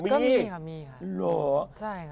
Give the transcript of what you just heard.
ก็มีค่ะมีค่ะ